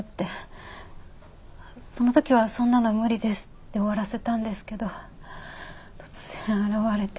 その時は「そんなの無理です」って終わらせたんですけど突然現れて。